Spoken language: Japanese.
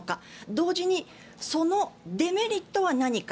同時にそのデメリットは何か。